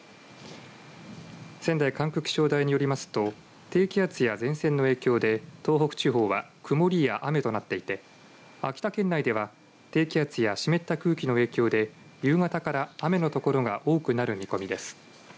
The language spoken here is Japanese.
仙台管区気象台によりますと低気圧や前線の影響で東北地方は曇りや雨となっていて秋田県内では低気圧や湿った空気の影響で夕方から雨の所が多くなる見込みです。